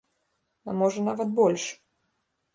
А можа, нават больш.